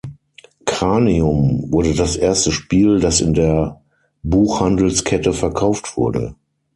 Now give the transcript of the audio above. „Cranium“ wurde das erste Spiel, das in der Buchhandelskette verkauft wurde.